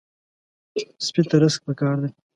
سپي ته رزق پکار دی.